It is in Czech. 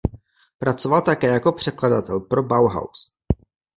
Pracoval také jako překladatel pro Bauhaus.